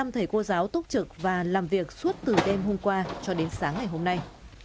một mươi thầy cô giáo túc trực và làm việc suốt từ đêm hôm qua cho đến sáng ngày hôm nay